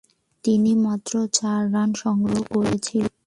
তিনি মাত্র চার রান সংগ্রহ করেছিলেন।